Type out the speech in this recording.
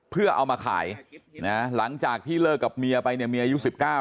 เพื่อเอามาขายนะหลังจากที่เลิกกับเมียไปเนี่ยเมียอายุ๑๙